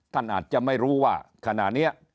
ท่านอาจจะไม่รู้ว่าขณะนี้